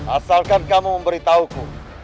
asalkan kamu memberitahuku